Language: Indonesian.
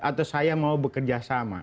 atau saya mau bekerja sama